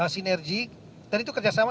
sinergi dan itu kerjasama